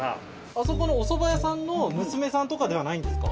あそこのおそば屋さんの娘さんとかではないんですか？